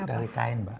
dari kain mbak